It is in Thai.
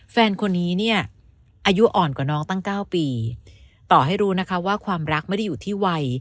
แฟนคนนี้เนี่ยอายุอ่อนกว่าน้องตั้งเก้าปีต่อให้รู้นะคะว่าความรักไม่ได้อยู่ที่วัย